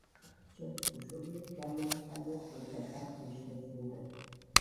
ჩემ მშობლებს ძალიან უხარიათ როცა კარგ ნიშნებს ვიღებ